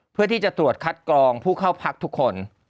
เพื่อที่จะตรวจคัดกรองผู้เข้าพักทุกคน